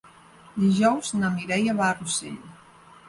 Dijous na Mireia va a Rossell.